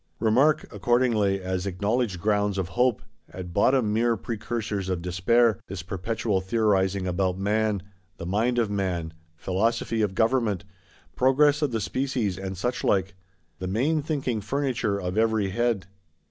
Remark, accordingly, as acknowledged grounds of Hope, at bottom mere precursors of Despair, this perpetual theorising about Man, the Mind of Man, Philosophy of Government, Progress of the Species and such like; the main thinking furniture of every head.